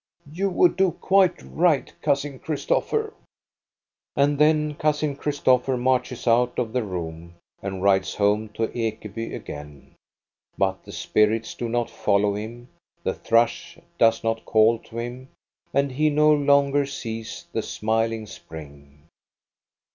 " You would do quite right, Cousin Christopher." 252 THE STORY OF GOSTA BERLING And then Cousin Christopher marches out of the room and rides home to Ekeby again; but the spirits do not follow him, the thrush does not call to him, and he no longer sees the smiling spring.